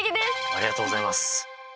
ありがとうございます。